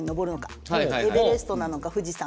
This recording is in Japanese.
エベレストなのか富士山なのか。